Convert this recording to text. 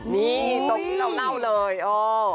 นี่ตรงที่เราเล่าเลยโอ้